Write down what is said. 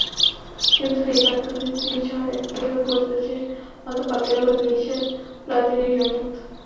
কিন্তু ফিফার দুর্নীতির ঝড়ে পুরো ভোজবাজির মতো পাল্টে গেল মিশেল প্লাতিনির জগৎ।